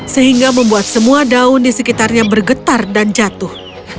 sehingga membuat semua daun di sekitarnya bergetar dan jatuh